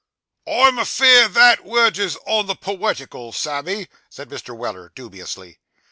'I am afeerd that werges on the poetical, Sammy,' said Mr. Weller dubiously.